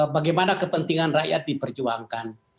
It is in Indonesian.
bagaimana kepentingan rakyat diperjuangkan